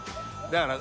だから。